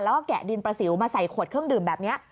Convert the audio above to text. แล้วก็แกะดินประสิวมาใส่ขวดเครื่องดื่มแบบนี้